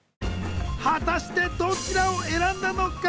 果たしてどちらを選んだのか？